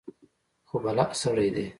خو بلا سړى دى.